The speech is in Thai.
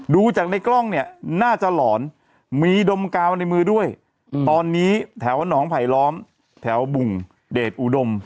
ดูจากในกล้องเนี่ยน่าจะหลอนมีดมกาวในมือด้วยตอนนี้แถวหนองไผลล้อมแถวบุงเดชอุดม